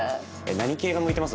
何系が向いてます？